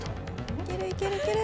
いけるいけるいける。